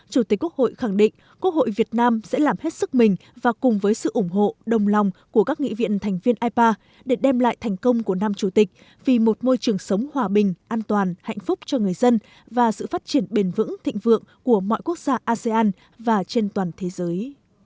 chủ tịch quốc hội khẳng định quốc hội việt nam sẽ làm hết sức mình và cùng với sự ủng hộ đồng lòng của các nghị viện thành viên ipa để đem lại thành công của nam chủ tịch vì một môi trường sống hòa bình an toàn hạnh phúc cho người dân và sự phát triển bền vững thịnh vượng của mọi quốc gia asean và trên toàn thế giới